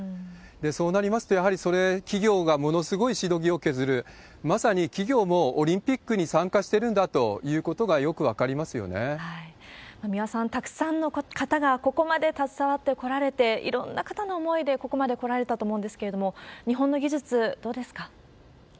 そうなりますと、やはりそれ、企業がものすごいしのぎを削る、まさに企業もオリンピックに参加してるんだということがよく分か三輪さん、たくさんの方がここまで携わってこられて、いろんな方の思いでここまでこられたと思うんですけれども、日本の技術、どうですか？